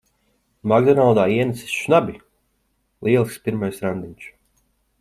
"Makdonaldā" ienesis šnabi! Lielisks pirmais randiņš.